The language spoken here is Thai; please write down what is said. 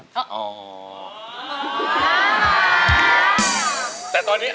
แต่ตอนนี้